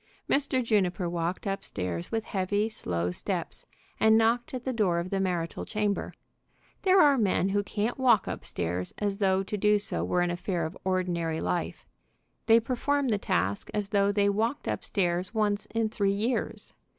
Mr. Juniper walked up stairs with heavy, slow steps, and knocked at the door of the marital chamber. There are men who can't walk up stairs as though to do so were an affair of ordinary life. They perform the task as though they walked up stairs once in three years.